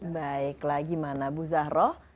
baik lagi mana bu zahroh